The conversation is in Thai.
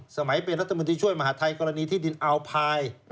สมัยเป็นรัฐมนตรีช่วยมหาทัยกรณีที่ดินอัลพาย